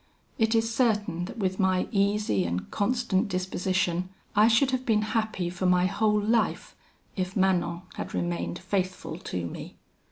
It is certain that with my easy and constant disposition, I should have been happy for my whole life, if Manon had remained faithful to me.